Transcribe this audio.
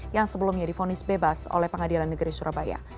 yang sebelumnya difonis bebas oleh pengadilan negeri surabaya